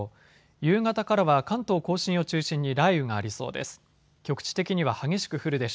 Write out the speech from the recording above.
夕方からは関東甲信を中心に雷雨がありそうです。